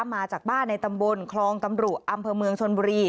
มาจากบ้านในตำบลคลองตำรุอำเภอเมืองชนบุรี